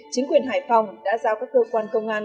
chính quyền hải phòng đã giao các cơ quan công an